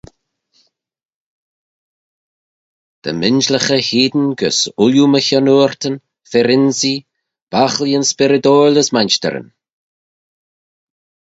Dy m'injillaghey hene gys ooilley my chiannoortyn, fir-ynsee, bochillyn spyrrydoil as mainshtyryn.